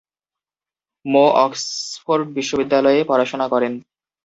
মো Oxford বিশ্ববিদ্যালয়ে পড়াশোনা করেন।